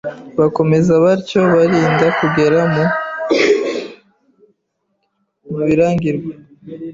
Bakomeza batyo barinda kugera mu Birangirwa